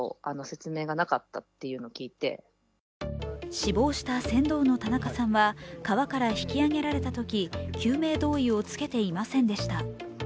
死亡した船頭の田中さんは、川から引き上げられたとき救命胴衣を着けていませんでした。